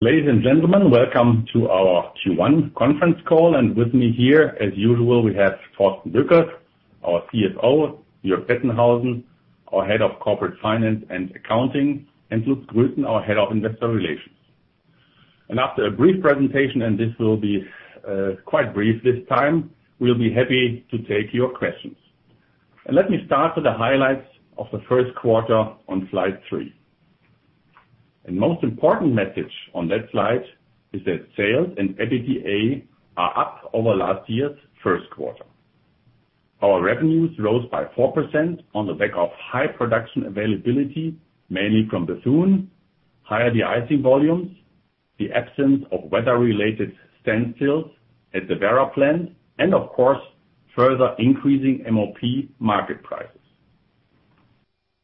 Ladies and gentlemen, welcome to our Q1 conference call. With me here, as usual, we have Thorsten Boeckers, our CFO, Jörg Bettenhausen, our Head of Corporate Finance and Accounting, and Lutz Grüten, our Head of Investor Relations. After a brief presentation, and this will be quite brief this time, we'll be happy to take your questions. Let me start with the highlights of the first quarter on slide three. The most important message on that slide is that sales and EBITDA are up over last year's first quarter. Our revenues rose by 4% on the back of high production availability, mainly from Bethune higher de-icing volumes, the absence of weather-related standstills at the Werra plant, and of course, further increasing MOP market prices.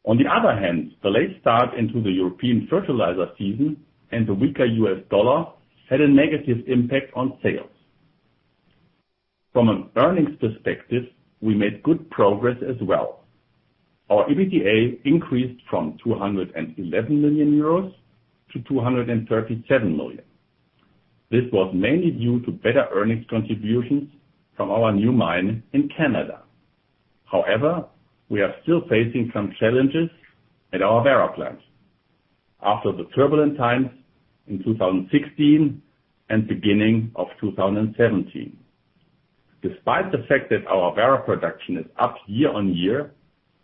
On the other hand, the late start into the European fertilizer season and the weaker US dollar had a negative impact on sales. From an earnings perspective, we made good progress as well. Our EBITDA increased from 211 million euros to 237 million. This was mainly due to better earnings contributions from our new mine in Canada. However, we are still facing some challenges at our Werra plant after the turbulent times in 2016 and beginning of 2017. Despite the fact that our Werra production is up year-on-year,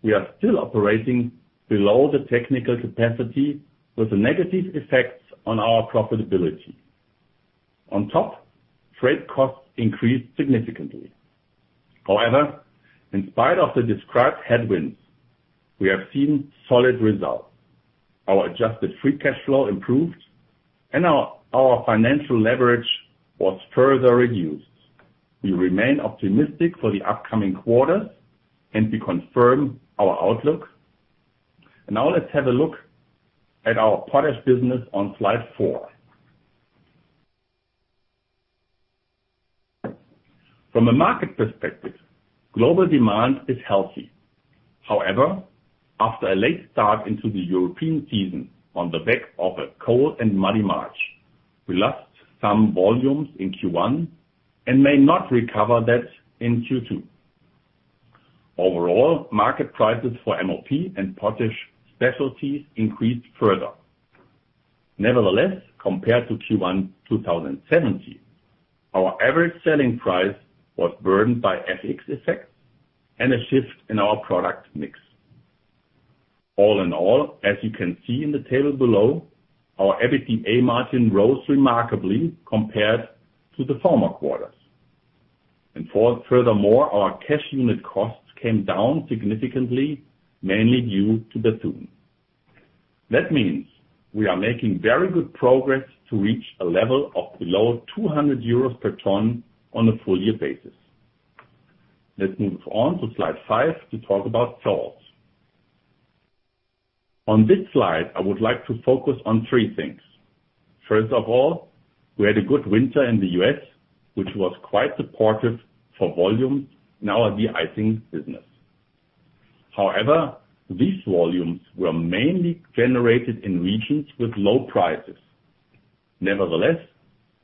we are still operating below the technical capacity with the negative effects on our profitability. On top, trade costs increased significantly. However, in spite of the described headwinds, we have seen solid results. Our adjusted free cash flow improved, and our financial leverage was further reduced. We remain optimistic for the upcoming quarters, and we confirm our outlook. Let's have a look at our potash business on slide four. From a market perspective, global demand is healthy. However, after a late start into the European season on the back of a cold and muddy March, we lost some volumes in Q1 and may not recover that in Q2. Overall, market prices for MOP and potash specialties increased further. Nevertheless, compared to Q1 2017, our average selling price was burdened by FX effects and a shift in our product mix. All in all, as you can see in the table below, our EBITDA margin rose remarkably compared to the former quarters. Furthermore, our cash unit costs came down significantly, mainly due to the soon. That means we are making very good progress to reach a level of below 200 euros per ton on a full-year basis. Let's move on to slide five to talk about salts. On this slide, I would like to focus on three things. First of all, we had a good winter in the U.S., which was quite supportive for volume in our de-icing business. However, these volumes were mainly generated in regions with low prices. Nevertheless,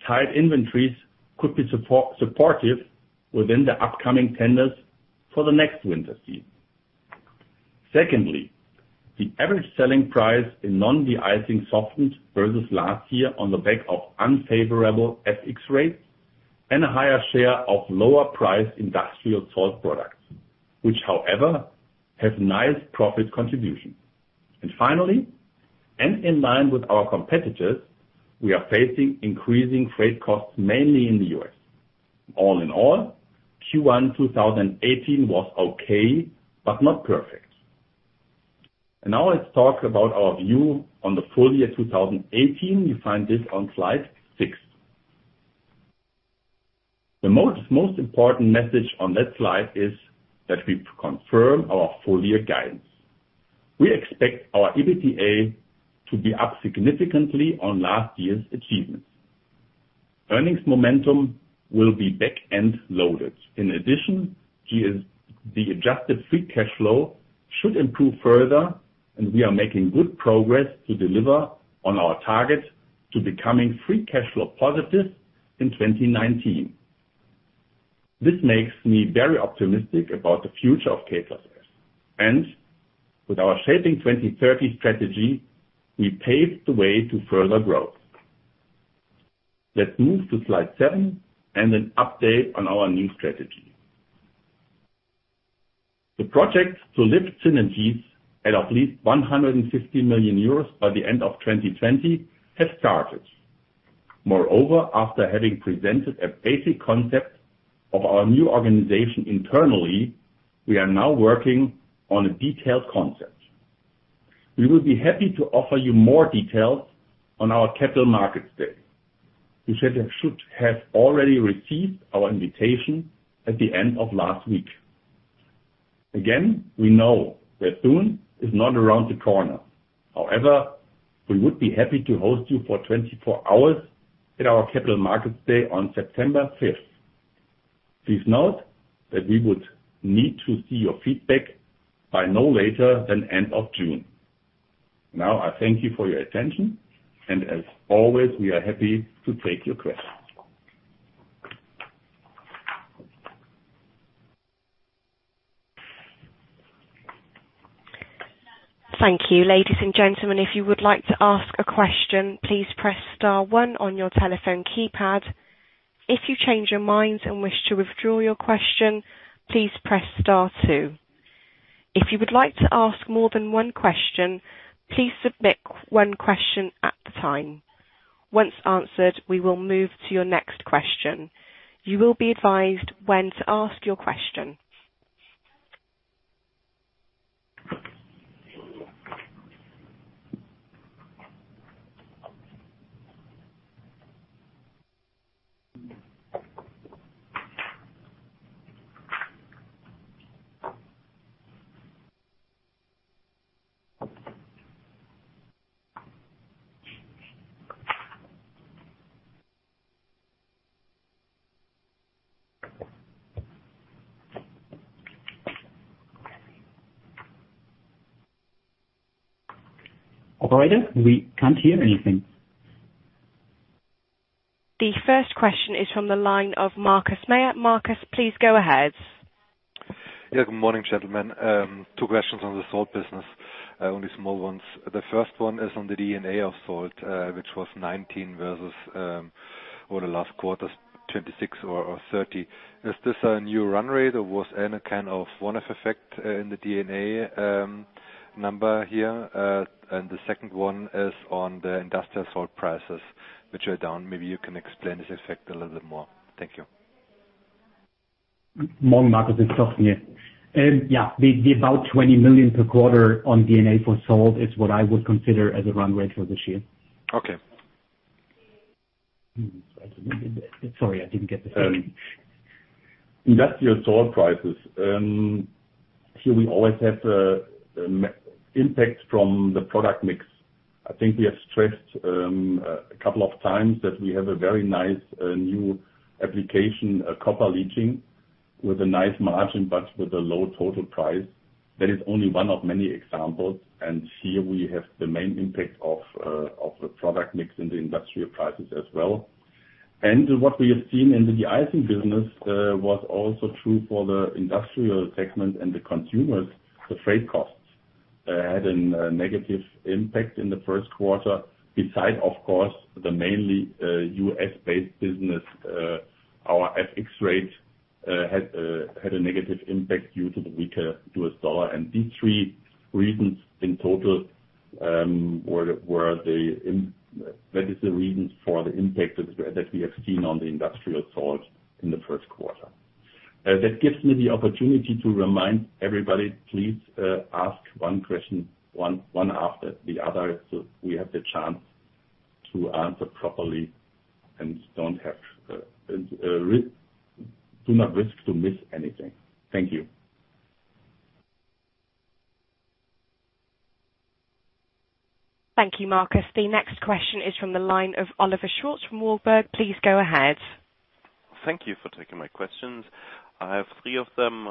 tight inventories could be supportive within the upcoming tenders for the next winter season. Secondly, the average selling price in non-de-icing softened versus last year on the back of unfavorable FX rates and a higher share of lower price industrial salt products, which, however, has nice profit contribution. Finally, in line with our competitors, we are facing increasing freight costs, mainly in the U.S. All in all, Q1 2018 was okay, but not perfect. Let's talk about our view on the full year 2018. You find this on slide six. The most important message on that slide is that we confirm our full-year guidance. We expect our EBITDA to be up significantly on last year's achievements. Earnings momentum will be back and loaded. The adjusted free cash flow should improve further, and we are making good progress to deliver on our target to becoming free cash flow positive in 2019. This makes me very optimistic about the future of K+S. With our Shaping 2030 strategy, we paved the way to further growth. Let's move to slide seven, an update on our new strategy. The project to lift synergies at least 150 million euros by the end of 2020 has started. Moreover, after having presented a basic concept of our new organization internally, we are now working on a detailed concept. We will be happy to offer you more details on our Capital Markets Day. You should have already received our invitation at the end of last week. We know that soon is not around the corner. We would be happy to host you for 24 hours at our Capital Markets Day on September 5th. Please note that we would need to see your feedback by no later than end of June. I thank you for your attention. As always, we are happy to take your questions. Thank you. Ladies and gentlemen, if you would like to ask a question, please press star one on your telephone keypad. If you change your mind and wish to withdraw your question, please press star two. If you would like to ask more than one question, please submit one question at a time. Once answered, we will move to your next question. You will be advised when to ask your question. Operator, we can't hear anything. The first question is from the line of Marcus Meyer. Marcus, please go ahead. Good morning, gentlemen. Two questions on the salt business, only small ones. The first one is on the D&A of salt, which was 19 versus, over the last quarters, 26 or 30. Is this a new run rate, or was any kind of one-off effect in the D&A number here? The second one is on the industrial salt prices, which are down. Maybe you can explain this effect a little bit more. Thank you. Morning, Marcus. It's Thorsten here. Yeah, the about 20 million per quarter on D&A for salt is what I would consider as a run rate for this year. Okay. Sorry, I didn't get the second. Industrial salt prices. Here we always have impact from the product mix. I think we have stressed a couple of times that we have a very nice new application, copper leaching, with a nice margin, but with a low total price. That is only one of many examples. Here we have the main impact of the product mix in the industrial prices as well. What we have seen in the de-icing business was also true for the industrial segment and the consumers. The freight costs had a negative impact in the first quarter, beside, of course, the mainly U.S.-based business. Our FX rate had a negative impact due to the weaker U.S. dollar. These three reasons in total, that is the reasons for the impact that we have seen on the industrial salt in the first quarter. That gives me the opportunity to remind everybody, please ask one question, one after the other, we have the chance to answer properly and do not risk to miss anything. Thank you. Thank you, Marcus. The next question is from the line of Oliver Schwarz from Warburg Research. Please go ahead. Thank you for taking my questions. I have three of them.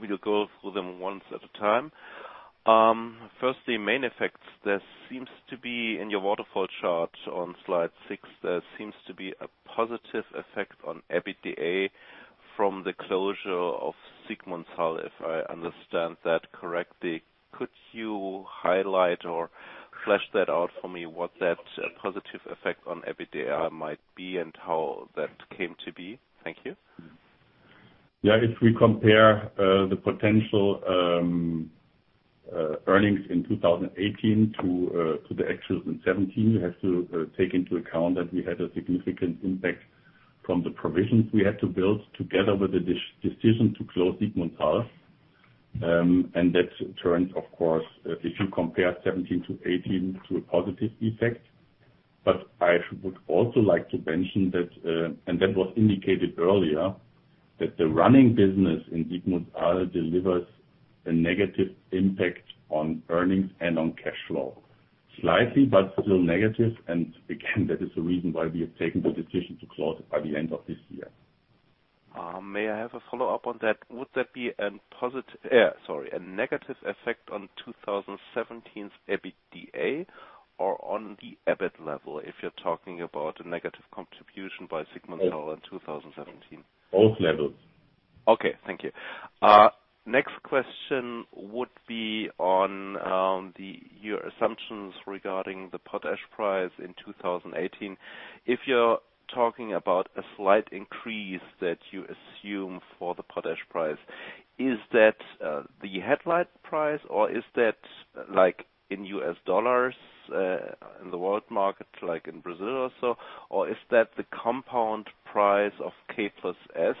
We will go through them once at a time. Firstly, main effects. There seems to be in your waterfall chart on slide six, there seems to be a positive effect on EBITDA from the closure of Siegmundshall, if I understand that correctly. Could you highlight or flesh that out for me, what that positive effect on EBITDA might be and how that came to be? Thank you. Yeah, if we compare the potential earnings in 2018 to the actuals in 2017, we have to take into account that we had a significant impact from the provisions we had to build together with the decision to close Siegmundshall. That turned, of course, if you compare 2017 to 2018, to a positive effect. I would also like to mention that, and that was indicated earlier, that the running business in Siegmundshall delivers a negative impact on earnings and on cash flow. Slightly, but still negative, and again, that is the reason why we have taken the decision to close it by the end of this year. May I have a follow-up on that? Would that be a negative effect on 2017's EBITDA or on the EBIT level, if you're talking about a negative contribution by Siegmundshall in 2017? Both levels. Okay. Thank you. Next question would be on your assumptions regarding the potash price in 2018. If you're talking about a slight increase that you assume for the potash price, is that the headline price, or is that in US dollars in the world market, like in Brazil also? Or is that the compound price of K+S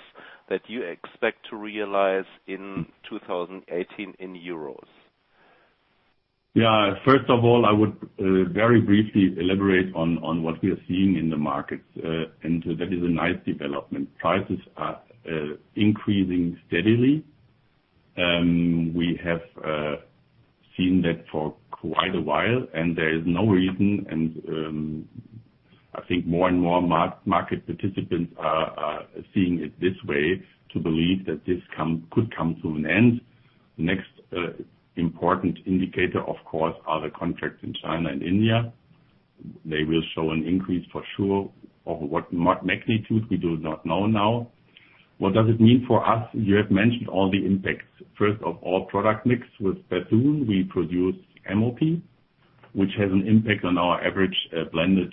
that you expect to realize in 2018 in euros? First of all, I would very briefly elaborate on what we are seeing in the markets. That is a nice development. Prices are increasing steadily. We have seen that for quite a while, and there is no reason, and I think more and more market participants are seeing it this way, to believe that this could come to an end. Next important indicator, of course, are the contracts in China and India. They will show an increase for sure. Of what magnitude, we do not know now. What does it mean for us? You have mentioned all the impacts. First of all, product mix. With Bethune, we produce MOP, which has an impact on our average blended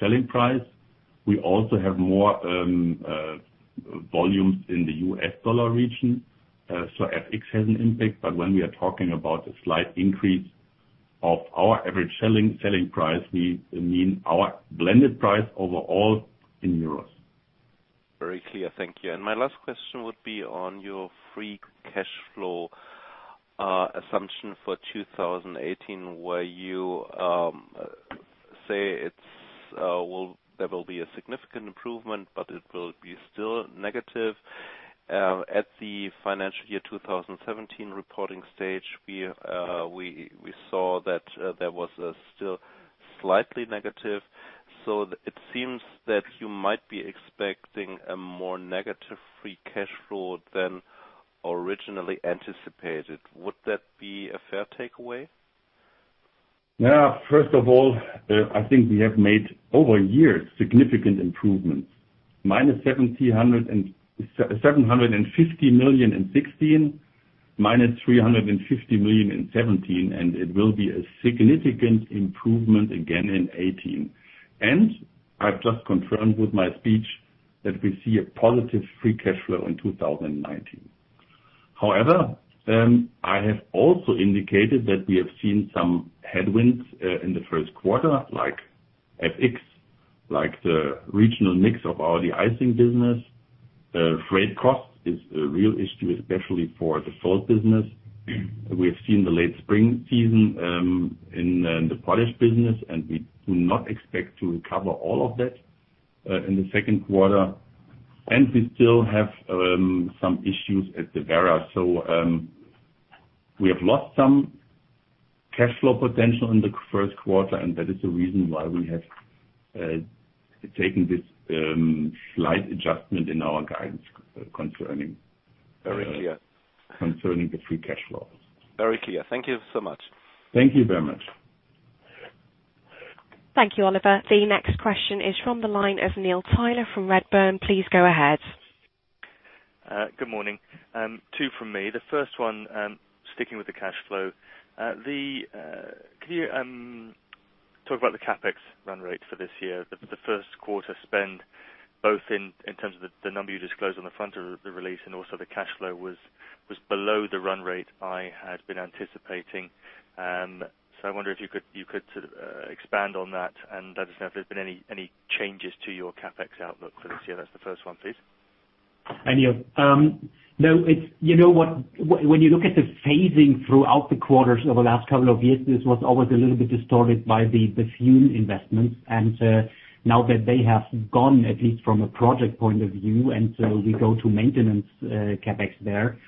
selling price. We also have more volumes in the U.S. dollar region, so FX has an impact. When we are talking about a slight increase of our average selling price, we mean our blended price overall in euros. Very clear. Thank you. My last question would be on your free cash flow assumption for 2018, where you say there will be a significant improvement, but it will be still negative. At the financial year 2017 reporting stage, we saw that there was a still slightly negative. It seems that you might be expecting a more negative free cash flow than originally anticipated. Would that be a fair takeaway? First of all, I think we have made, over years, significant improvements. Minus 750 million in 2016, minus 350 million in 2017, and it will be a significant improvement again in 2018. I've just confirmed with my speech that we see a positive free cash flow in 2019. However, I have also indicated that we have seen some headwinds in the first quarter, like FX, like the regional mix of the de-icing business. Freight cost is a real issue, especially for the salt business. We have seen the late spring season in the potash business, and we do not expect to recover all of that in the second quarter. We still have some issues at the Werra. We have lost some cash flow potential in the first quarter, and that is the reason why we have taken this slight adjustment in our guidance. Very clear. concerning the free cash flow. Very clear. Thank you so much. Thank you very much. Thank you, Oliver. The next question is from the line of Neil Tyler from Redburn. Please go ahead. Good morning. Two from me. The first one, sticking with the cash flow. Can you talk about the CapEx run rate for this year? The first quarter spend, both in terms of the number you disclosed on the front of the release and also the cash flow, was below the run rate I had been anticipating. I wonder if you could expand on that and let us know if there's been any changes to your CapEx outlook for this year. That's the first one, please. Hi, Neil. When you look at the phasing throughout the quarters over the last couple of years, this was always a little bit distorted by the Bethune investments. Now that they have gone, at least from a project point of view, we go to maintenance CapEx there.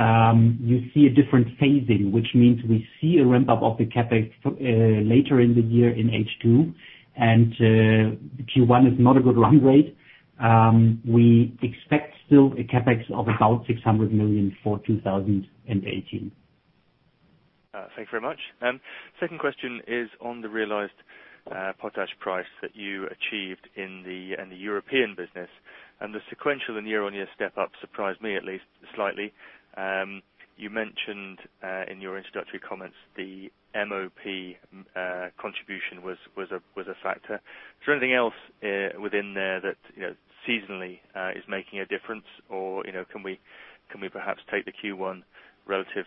You see a different phasing, which means we see a ramp-up of the CapEx later in the year in H2, Q1 is not a good run rate. We expect still a CapEx of about 600 million for 2018. Thanks very much. Second question is on the realized potash price that you achieved in the European business, the sequential and year-on-year step up surprised me, at least, slightly. You mentioned in your introductory comments the MOP contribution was a factor. Is there anything else within there that seasonally is making a difference? Can we perhaps take the Q1 relative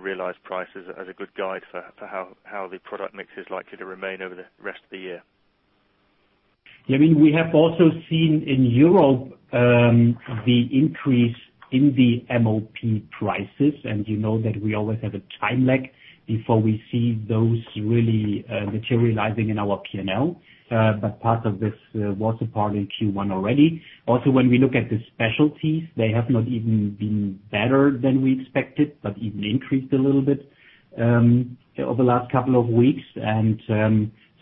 realized prices as a good guide for how the product mix is likely to remain over the rest of the year? We have also seen in Europe the increase in the MOP prices, and you know that we always have a time lag before we see those really materializing in our P&L. Part of this was a part in Q1 already. When we look at the specialties, they have not even been better than we expected, but even increased a little bit over the last couple of weeks.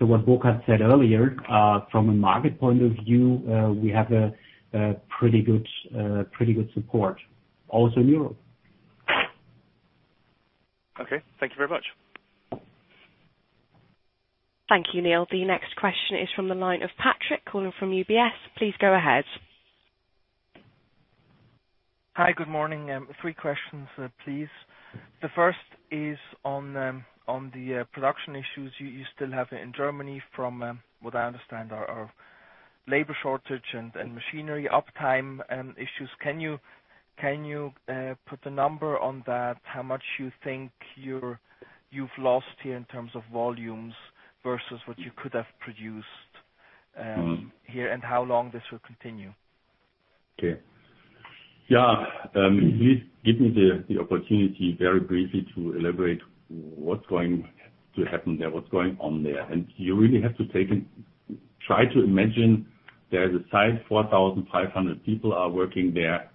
What Burkhard said earlier, from a market point of view, we have a pretty good support also in Europe. Okay. Thank you very much. Thank you, Neil. The next question is from the line of Patrick calling from UBS. Please go ahead. Hi, good morning. Three questions, please. The first is on the production issues you still have in Germany from, what I understand, are labor shortage and machinery uptime issues. Can you put a number on that, how much you think you've lost here in terms of volumes versus what you could have produced here, and how long this will continue? Okay. Yeah. Please give me the opportunity very briefly to elaborate what's going to happen there, what's going on there. You really have to try to imagine. There is a site, 4,500 people are working there.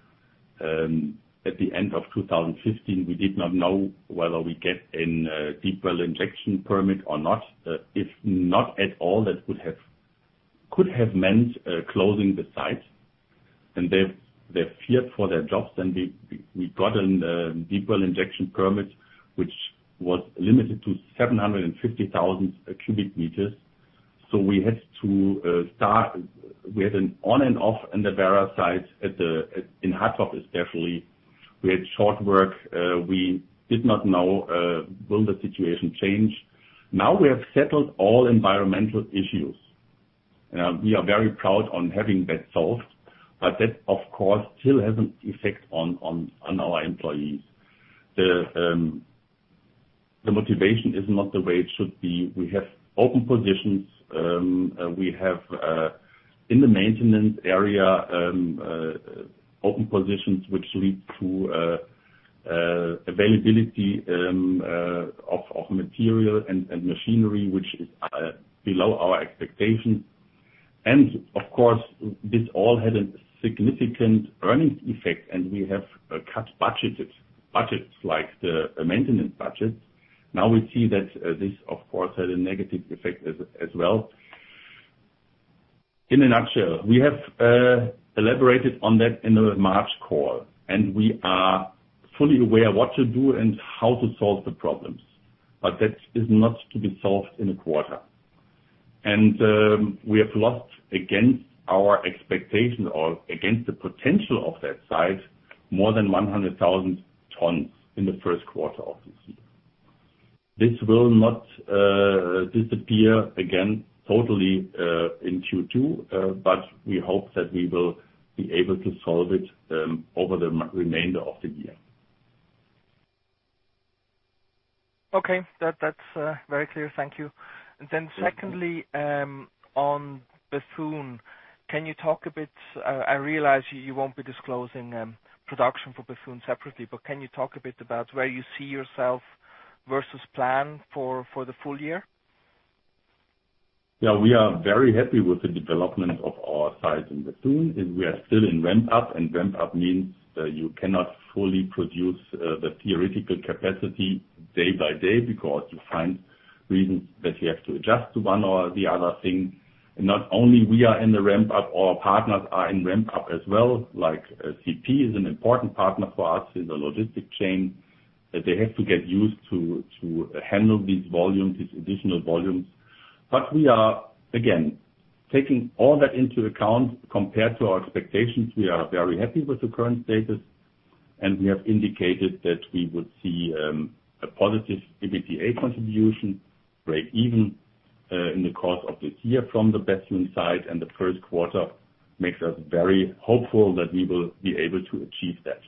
At the end of 2015, we did not know whether we'd get a deep well injection permit or not. If not at all, that could have meant closing the site, and they feared for their jobs. We got a deep well injection permit, which was limited to 750,000 cubic meters. We had an on and off in the Werra site in Hattorf, especially. We had short work. We did not know, will the situation change? We have settled all environmental issues. We are very proud on having that solved, that, of course, still has an effect on our employees. The motivation is not the way it should be. We have open positions. We have, in the maintenance area, open positions which lead to availability of material and machinery, which is below our expectation. Of course, this all had a significant earnings effect, we have cut budgets like the maintenance budget. We see that this, of course, had a negative effect as well. In a nutshell, we have elaborated on that in the March call, we are fully aware what to do and how to solve the problems. That is not to be solved in a quarter. We have lost against our expectation or against the potential of that site, more than 100,000 tons in the first quarter of this year. This will not disappear again totally in Q2, we hope that we will be able to solve it over the remainder of the year. Okay. That's very clear. Thank you. Then secondly, on Bethune, can you talk a bit I realize you won't be disclosing production for Bethune separately, can you talk a bit about where you see yourself versus plan for the full year? Yeah. We are very happy with the development of our site in Bethune, we are still in ramp up, ramp up means that you cannot fully produce the theoretical capacity day by day because you find reasons that you have to adjust to one or the other thing. Not only we are in the ramp up, our partners are in ramp up as well, like CP is an important partner for us in the logistics chain. They have to get used to handling these additional volumes. We are, again, taking all that into account compared to our expectations. We are very happy with the current status, we have indicated that we would see a positive EBITDA contribution break even in the course of this year from the Bethune site, the first quarter makes us very hopeful that we will be able to achieve that.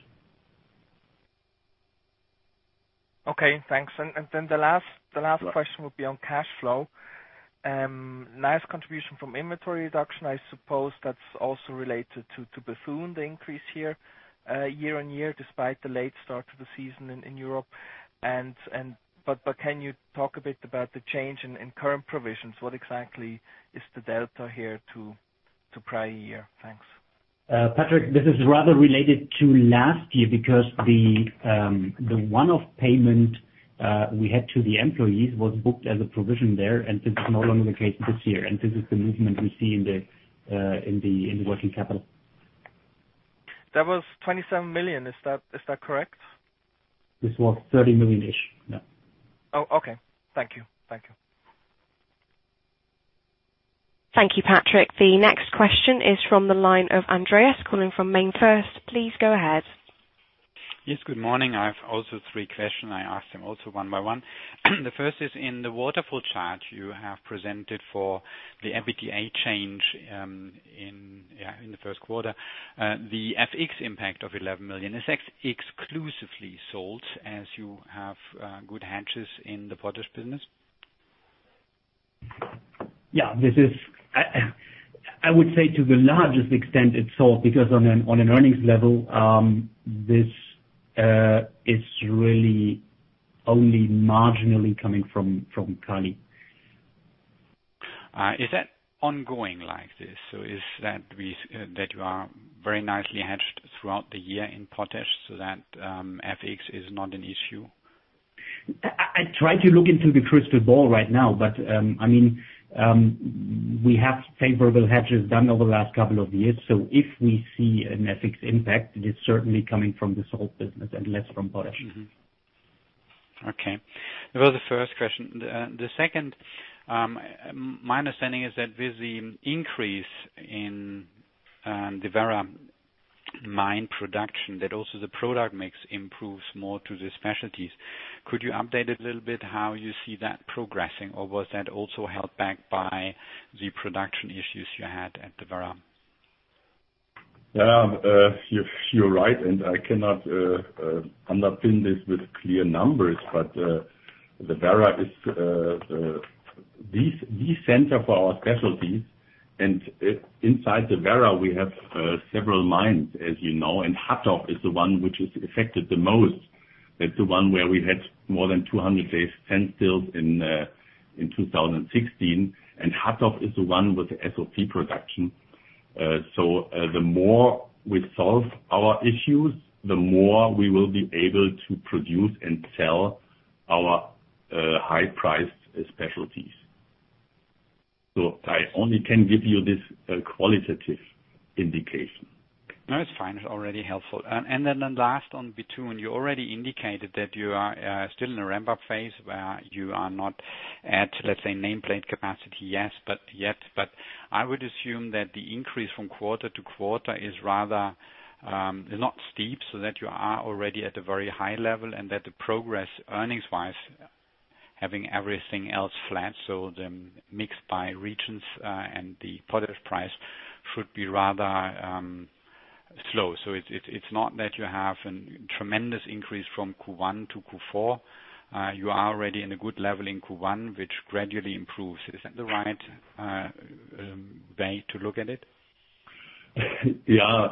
Okay, thanks. The last question would be on cash flow. Nice contribution from inventory reduction. I suppose that's also related to Bethune, the increase year-over-year, despite the late start to the season in Europe. Can you talk a bit about the change in current provisions? What exactly is the delta here to prior year? Thanks. Patrick, this is rather related to last year because the one-off payment we had to the employees was booked as a provision there, and this is no longer the case this year. This is the movement we see in the working capital. That was 27 million. Is that correct? This was 30 million-ish, yeah. Oh, okay. Thank you. Thank you, Patrick. The next question is from the line of Andreas, calling from MainFirst. Please go ahead. Yes, good morning. I have also three questions. I ask them also one by one. The first is, in the waterfall chart you have presented for the EBITDA change in the first quarter, the FX impact of $11 million is exclusively sold as you have good hedges in the potash business? Yeah. I would say to the largest extent it's sold, because on an earnings level, this is really only marginally coming from Kali. Is that ongoing like this? Is it that you are very nicely hedged throughout the year in potash so that FX is not an issue? I tried to look into the crystal ball right now, we have favorable hedges done over the last couple of years. If we see an FX impact, it is certainly coming from the salt business and less from potash. Okay. That was the first question. The second, my understanding is that with the increase in the Werra mine production, that also the product mix improves more to the specialties. Could you update a little bit how you see that progressing? Was that also held back by the production issues you had at the Werra? You're right, I cannot underpin this with clear numbers. The Werra is the center for our specialties, and inside the Werra, we have several mines, as you know, and Hattorf is the one which is affected the most. That's the one where we had more than 200 days standstill in 2016, and Hattorf is the one with the SOP production. The more we solve our issues, the more we will be able to produce and sell our high-priced specialties. I only can give you this qualitative indication. No, it's fine. It's already helpful. Last on Bethune, you already indicated that you are still in a ramp-up phase where you are not at, let's say, nameplate capacity yet, but I would assume that the increase from quarter to quarter is not steep so that you are already at a very high level and that the progress earnings-wise, having everything else flat, so the mix by regions, and the product price should be rather slow. It's not that you have a tremendous increase from Q1 to Q4. You are already in a good level in Q1, which gradually improves. Is that the right way to look at it? Yeah.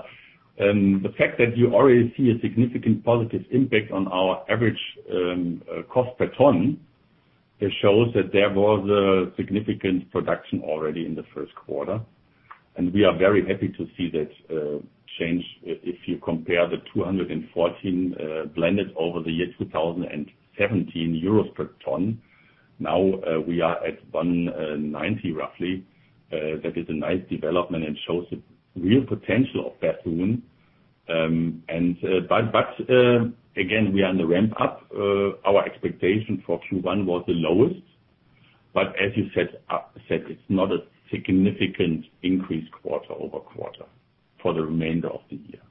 The fact that you already see a significant positive impact on our average cost per ton, it shows that there was a significant production already in the first quarter, and we are very happy to see that change. If you compare the 214 blended over the year 2017 per ton, now we are at 190 roughly. That is a nice development and shows the real potential of Bethune. Again, we are on the ramp up. Our expectation for Q1 was the lowest, but as you said, it's not a significant increase quarter-over-quarter for the remainder of the year.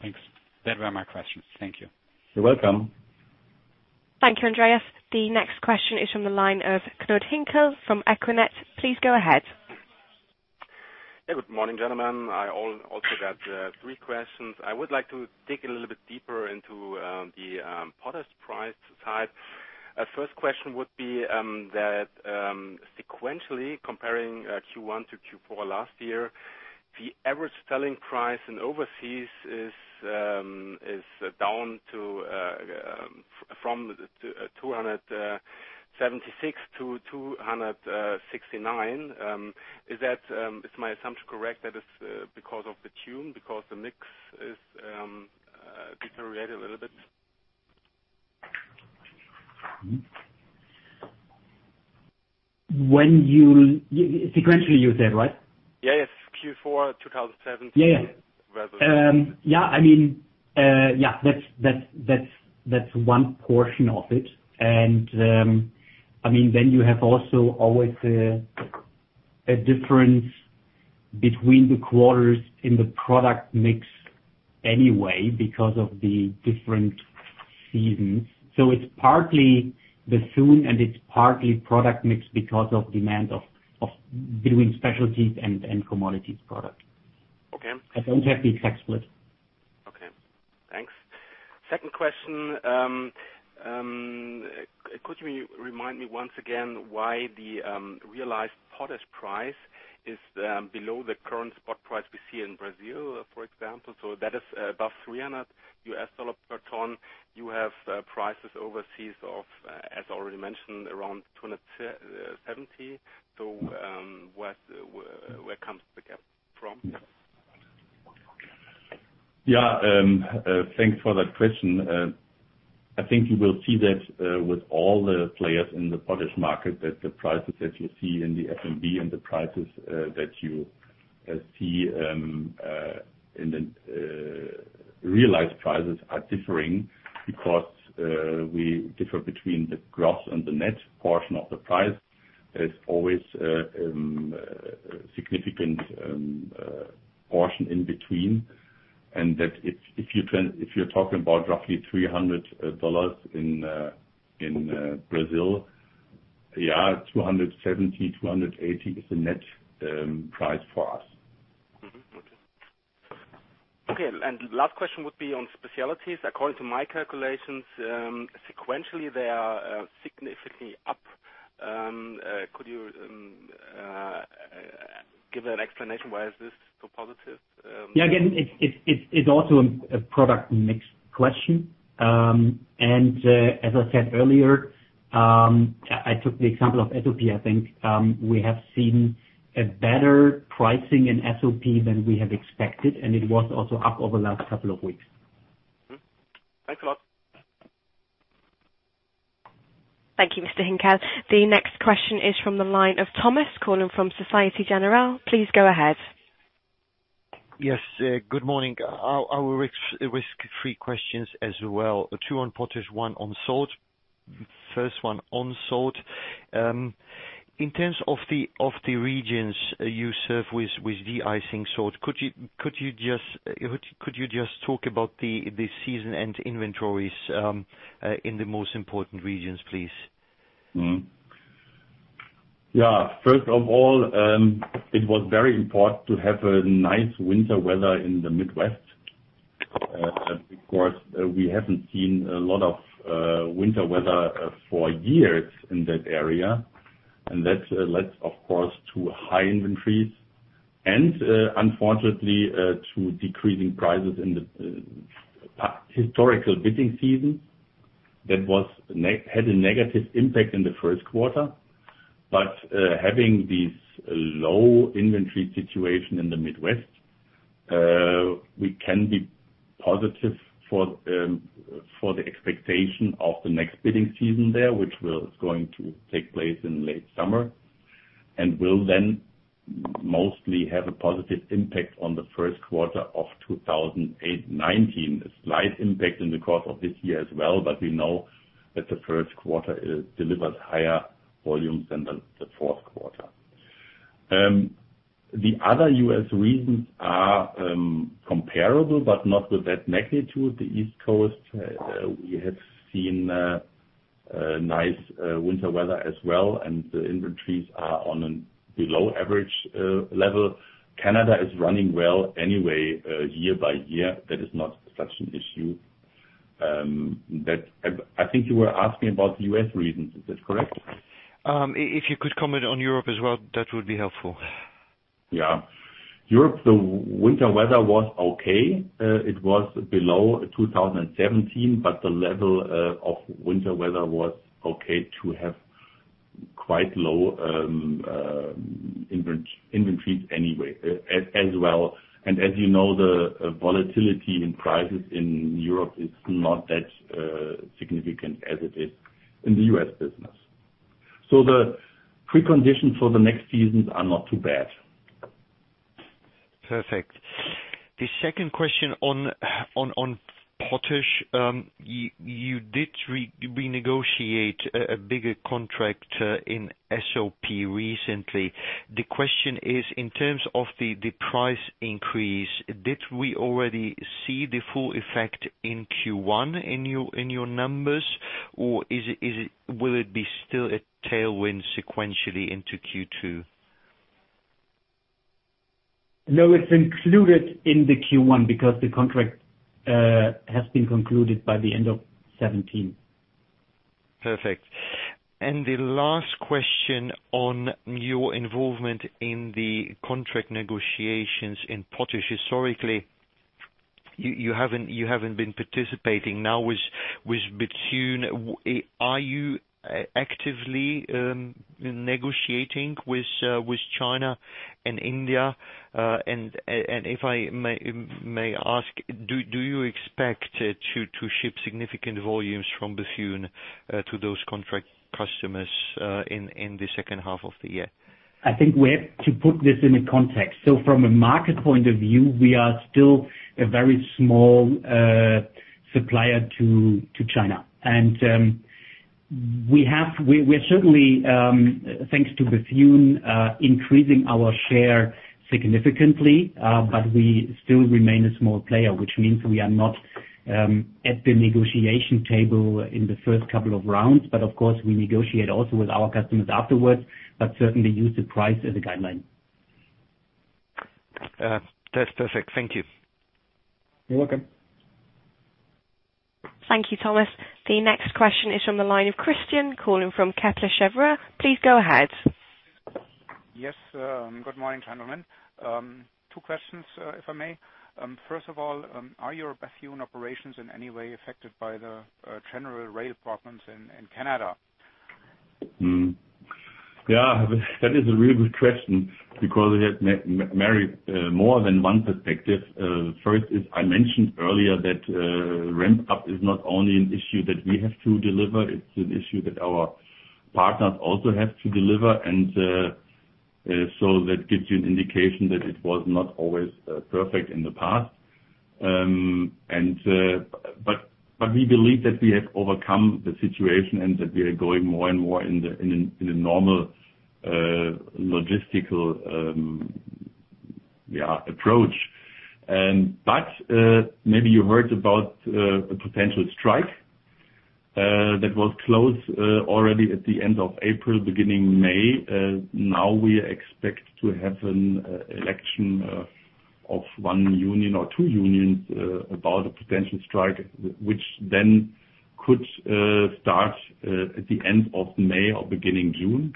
Thanks. That were my questions. Thank you. You're welcome. Thank you, Andreas. The next question is from the line of Claude Hinkle from Equinet. Please go ahead. Hey, good morning, gentlemen. I also got three questions. I would like to dig a little bit deeper into the potash price side. First question would be that sequentially comparing Q1 to Q4 last year, the average selling price in overseas is down from 276 to 269. Is my assumption correct, that is because of Bethune, because the mix is deteriorated a little bit? Sequentially, you said, right? Yes. Q4 2017. Yeah versus. Yeah, that's one portion of it. You have also always a difference between the quarters in the product mix anyway because of the different seasons. It's partly Bethune and it's partly product mix because of demand between specialties and commodities product. Okay. I don't have the exact split. Okay. Thanks. Second question. Could you remind me once again why the realized potash price is below the current spot price we see in Brazil, for example? That is above $300 per ton. You have prices overseas of, as already mentioned, around $270. Where comes the gap from? Yeah. Thanks for that question. I think you will see that with all the players in the potash market, that the prices that you see in the FMB and the prices that you see in the realized prices are differing because we differ between the gross and the net portion of the price. There's always a significant portion in between. If you're talking about roughly $300 in Brazil, yeah, $270, $280 is the net price for us. Okay. Last question would be on specialties. According to my calculations, sequentially they are significantly up. Could you give an explanation why is this so positive? Yeah, again, it's also a product mix question. As I said earlier, I took the example of SOP, I think. We have seen a better pricing in SOP than we have expected, and it was also up over the last couple of weeks. Thanks a lot. Thank you, Mr. Hinkle. The next question is from the line of Thomas calling from Société Générale. Please go ahead. Yes. Good morning. I will risk three questions as well. Two on potash, one on salt. First one on salt. In terms of the regions you serve with de-icing salt, could you just talk about the season and inventories in the most important regions, please? First of all, it was very important to have a nice winter weather in the Midwest, because we haven't seen a lot of winter weather for years in that area, that led, of course, to high inventories unfortunately, to decreasing prices in the historical bidding season that had a negative impact in the first quarter. Having this low inventory situation in the Midwest, we can be positive for the expectation of the next bidding season there, which is going to take place in late summer, and will then mostly have a positive impact on the first quarter of 2019. A slight impact in the course of this year as well, but we know that the first quarter delivers higher volumes than the fourth quarter. The other U.S. regions are comparable, but not with that magnitude. The East Coast, we have seen nice winter weather as well, and the inventories are on below average level. Canada is running well anyway, year-by-year. That is not such an issue. I think you were asking about the U.S. regions, is that correct? If you could comment on Europe as well, that would be helpful. Yeah. Europe, the winter weather was okay. It was below 2017, but the level of winter weather was okay to have quite low inventories anyway, as well. As you know, the volatility in prices in Europe is not that significant as it is in the U.S. business. The preconditions for the next seasons are not too bad. Perfect. The second question on potash. You did renegotiate a bigger contract in SOP recently. The question is, in terms of the price increase, did we already see the full effect in Q1 in your numbers, or will it be still a tailwind sequentially into Q2? No, it's included in the Q1 because the contract has been concluded by the end of 2017. Perfect. The last question on your involvement in the contract negotiations in potash. Historically, you haven't been participating. Now with Bethune, are you actively negotiating with China and India? If I may ask, do you expect to ship significant volumes from Bethune to those contract customers in the second half of the year? I think we have to put this in a context. From a market point of view, we are still a very small supplier to China. We are certainly, thanks to Bethune, increasing our share significantly, but we still remain a small player, which means we are not at the negotiation table in the first couple of rounds. Of course, we negotiate also with our customers afterwards, but certainly use the price as a guideline. That's perfect. Thank you. You're welcome. Thank you, Thomas. The next question is from the line of Christian, calling from Kepler Cheuvreux. Please go ahead. Yes. Good morning, gentlemen. Two questions, if I may. First of all, are your Bethune operations in any way affected by the general rail problems in Canada? Yeah, that is a really good question because it has married more than one perspective. First is, I mentioned earlier that ramp up is not only an issue that we have to deliver, it's an issue that our partners also have to deliver, so that gives you an indication that it was not always perfect in the past. We believe that we have overcome the situation, and that we are going more and more in the normal logistical approach. Maybe you heard about a potential strike that was close already at the end of April, beginning May. Now we expect to have an election of one union or two unions about a potential strike, which then could start at the end of May or beginning June.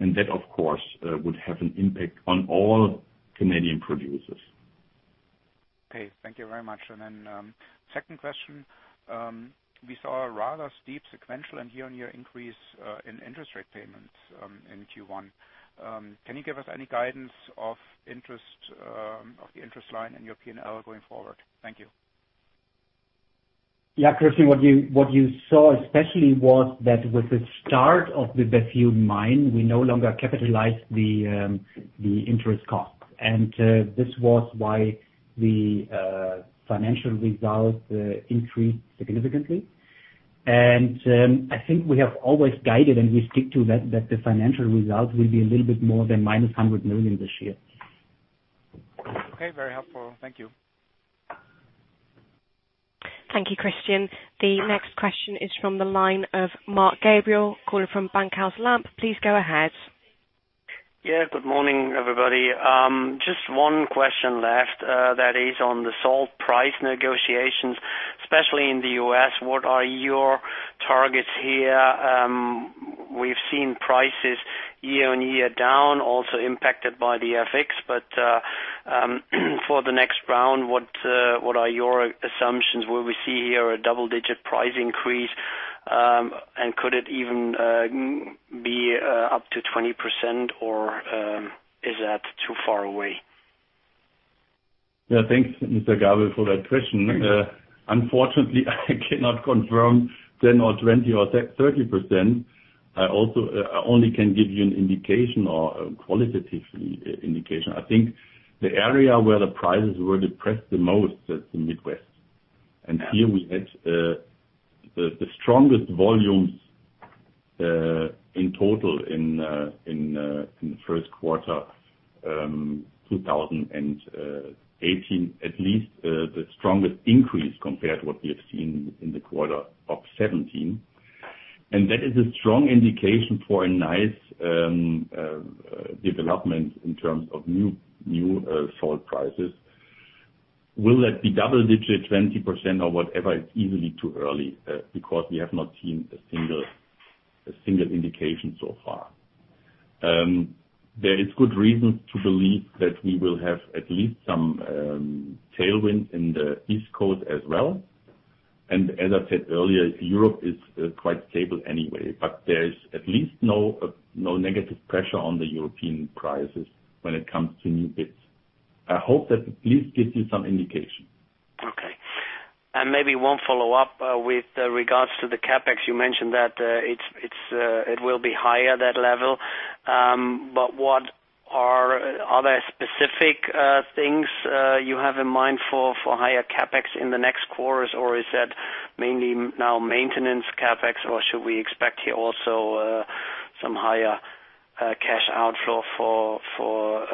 That, of course, would have an impact on all Canadian producers. Okay, thank you very much. Second question. We saw a rather steep sequential and year-on-year increase in interest rate payments in Q1. Can you give us any guidance of the interest line and your P&L going forward? Thank you. Yeah, Christian, what you saw especially was that with the start of the Bethune mine, we no longer capitalize the interest cost. This was why the financial results increased significantly. I think we have always guided, and we stick to that the financial results will be a little bit more than minus 100 million this year. Okay, very helpful. Thank you. Thank you, Christian. The next question is from the line of Mark Gabriel, calling from Bankhaus Lampe. Please go ahead. Yeah. Good morning, everybody. Just one question left, that is on the salt price negotiations. Especially in the U.S., what are your targets here? We've seen prices year-over-year down, also impacted by the FX. For the next round, what are your assumptions? Could it even be up to 20% or is that too far away? Yeah. Thanks, Mr. Gabriel, for that question. Unfortunately, I cannot confirm 10% or 20% or 30%. I only can give you an indication or a qualitative indication. I think the area where the prices were depressed the most is the Midwest. Here we had the strongest volumes, in total in the first quarter 2018, at least the strongest increase compared to what we have seen in the quarter of 2017. That is a strong indication for a nice development in terms of new salt prices. Will that be double-digit, 20% or whatever? It is easily too early, because we have not seen a single indication so far. There is good reason to believe that we will have at least some tailwind in the East Coast as well and as I said earlier, Europe is quite stable anyway. there is at least no negative pressure on the European prices when it comes to new bids. I hope that at least gives you some indication. Okay. maybe one follow-up with regards to the CapEx. You mentioned that it will be higher, that level. are there specific things you have in mind for higher CapEx in the next quarters, or is that mainly now maintenance CapEx? should we expect here also some higher cash outflow for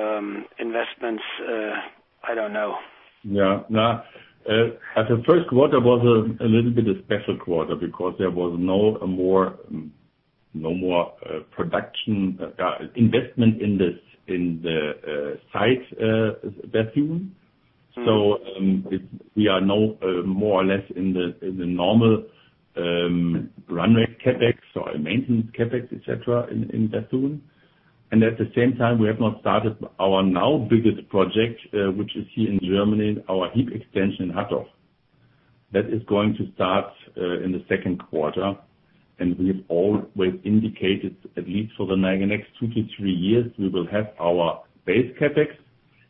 investments? I don't know. Yeah. No. The first quarter was a little bit a special quarter because there was no more investment in the site, Bethune. we are now more or less in the normal run rate CapEx or maintenance CapEx, et cetera, in Bethune. at the same time, we have now started our now biggest project, which is here in Germany, our heap extension in Hattorf. That is going to start in the second quarter, and we have always indicated at least for the next two to three years, we will have our base CapEx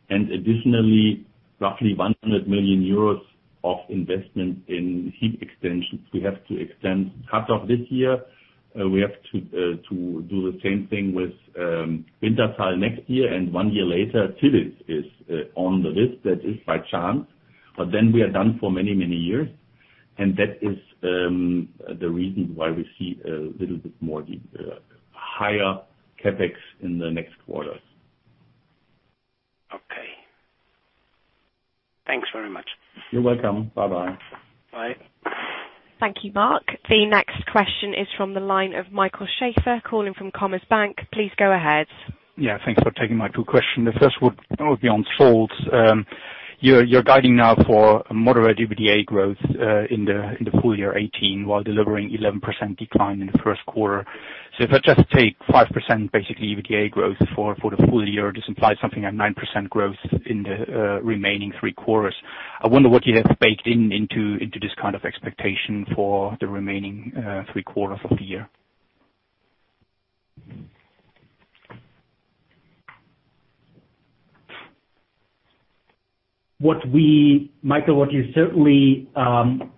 and additionally roughly 100 million euros of investment in heap extensions. We have to extend Hattorf this year. We have to do the same thing with Wintershall next year and one year later, Zielitz is on the list. That is by chance. we are done for many, many years and that is the reason why we see a little bit more higher CapEx in the next quarters. Okay. Thanks very much. You're welcome. Bye-bye. Bye. Thank you, Mark. The next question is from the line of Michael Schäfer, calling from Commerzbank. Please go ahead. Yeah. Thanks for taking my two question. The first would be on salts. You're guiding now for a moderate EBITDA growth in the full year 2018 while delivering 11% decline in the first quarter. If I just take 5% basically EBITDA growth for the full year, this implies something like 9% growth in the remaining three quarters. I wonder what you have baked into this kind of expectation for the remaining three quarters of the year. Michael, what you certainly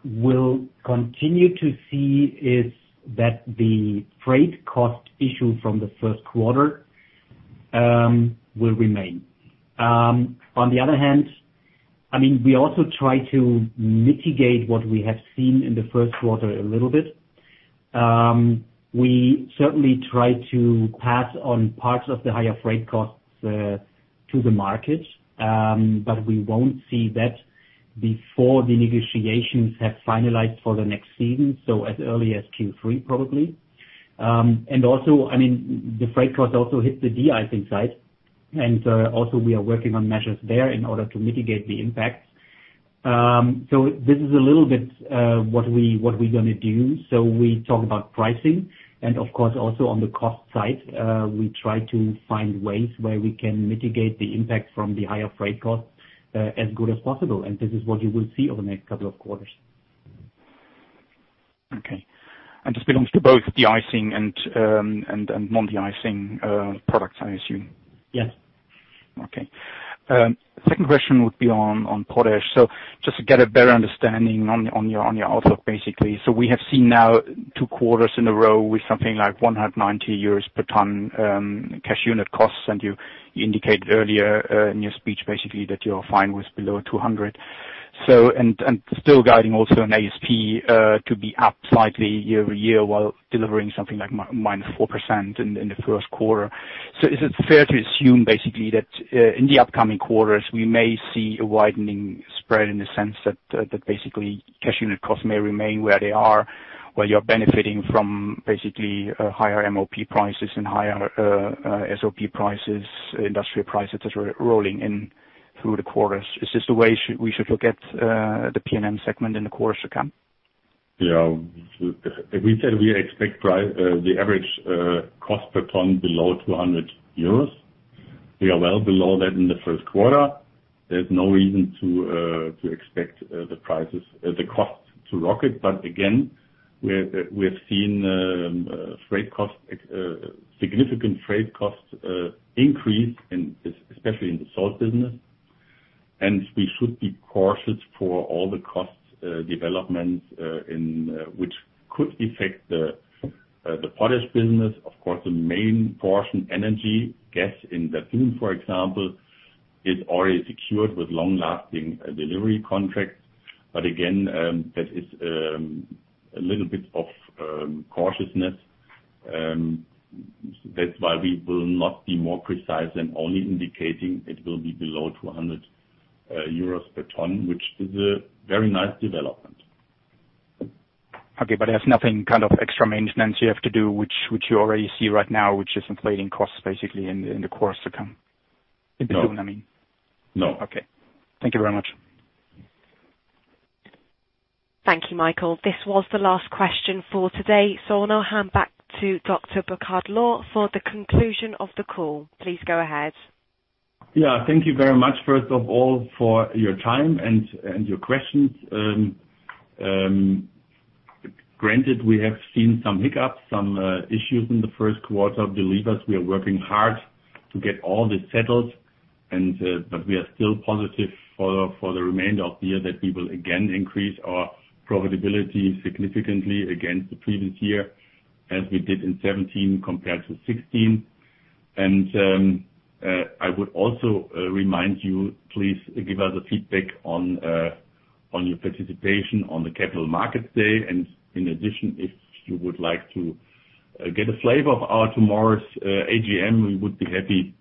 will continue to see is that the freight cost issue from the first quarter will remain. We also try to mitigate what we have seen in the first quarter a little bit. We certainly try to pass on parts of the higher freight costs to the market, but we won't see that before the negotiations have finalized for the next season, as early as Q3 probably. The freight cost also hit the de-icing side. We are working on measures there in order to mitigate the impacts. This is a little bit what we're going to do. We talk about pricing and of course, also on the cost side, we try to find ways where we can mitigate the impact from the higher freight costs, as good as possible. This is what you will see over the next couple of quarters. Okay. This belongs to both deicing and non-deicing products, I assume? Yes. Okay. Second question would be on potash. Just to get a better understanding on your outlook, basically. We have seen now two quarters in a row with something like 190 euros per ton cash unit costs, and you indicated earlier in your speech, basically, that you're fine with below 200. Still guiding also an ASP to be up slightly year-over-year while delivering something like -4% in the first quarter. Is it fair to assume, basically that in the upcoming quarters we may see a widening spread in the sense that basically cash unit costs may remain where they are, while you're benefiting from basically higher MOP prices and higher SOP prices, industrial prices that are rolling in through the quarters? Is this the way we should look at the PNM segment in the quarters to come? We said we expect the average cost per ton below 200 euros. We are well below that in the first quarter. There's no reason to expect the cost to rocket. Again, we have seen significant freight cost increase, especially in the salt business, and we should be cautious for all the cost developments, which could affect the potash business. Of course, the main portion, energy, gas in that zone, for example, is already secured with long-lasting delivery contracts. Again, that is a little bit of cautiousness. That's why we will not be more precise than only indicating it will be below 200 euros per ton, which is a very nice development. Okay. There's nothing, kind of extra maintenance you have to do, which you already see right now, which is inflating costs basically in the quarters to come? No. In Bethune, I mean. No. Okay. Thank you very much. Thank you, Michael. This was the last question for today. I'll now hand back to Dr. Burkhard Lohr for the conclusion of the call. Please go ahead. Thank you very much first of all for your time and your questions. Granted, we have seen some hiccups, some issues in the first quarter. Believe us, we are working hard to get all this settled. We are still positive for the remainder of the year that we will again increase our profitability significantly against the previous year as we did in 2017 compared to 2016. I would also remind you, please give us a feedback on your participation on the Capital Markets Day. In addition, if you would like to get a flavor of our tomorrow's AGM, we would be happy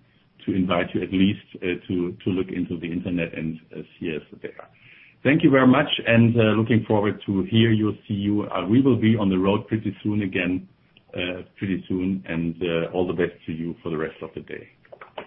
to invite you at least to look into the internet and see us there. Thank you very much, and looking forward to hear you, see you. We will be on the road pretty soon again, and all the best to you for the rest of the day.